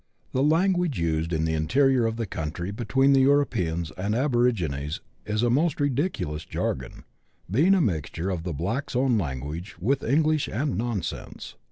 The language used in the interior of the country between the Europeans and aborigines is a most ridiculous jargon, being a mixture of the blacks' own language with English and nonsense.